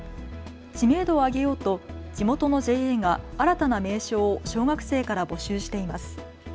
知名度を上げようと地元のＪＡが新たな名称を小学生から募集しています。